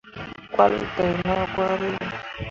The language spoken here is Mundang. Gwahlle dai nah gwari ɓe.